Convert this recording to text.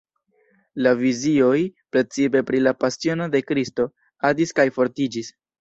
La vizioj, precipe pri la Pasiono de Kristo, adis kaj fortiĝis.